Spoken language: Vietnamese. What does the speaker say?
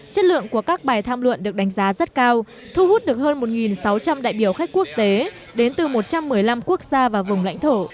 chất lượng của các bài tham luận được đánh giá rất cao thu hút được hơn một sáu trăm linh đại biểu khách quốc tế đến từ một trăm một mươi năm quốc gia và vùng lãnh thổ